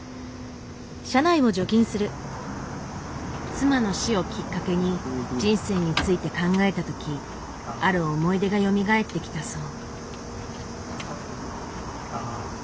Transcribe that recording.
妻の死をきっかけに人生について考えた時ある思い出がよみがえってきたそう。